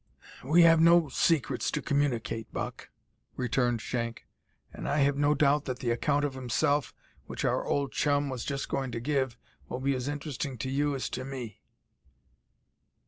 "We have no secrets to communicate, Buck," returned Shank, "and I have no doubt that the account of himself, which our old chum was just going to give, will be as interesting to you as to me."